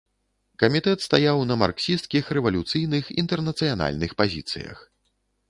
Камітэт стаяў на марксісцкіх, рэвалюцыйных, інтэрнацыянальных пазіцыях.